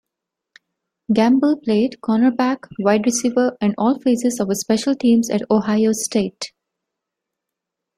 Gamble played cornerback, wide receiver, and all phases of special teams at Ohio State.